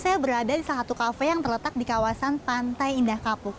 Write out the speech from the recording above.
saya berada di salah satu kafe yang terletak di kawasan pantai indah kapuk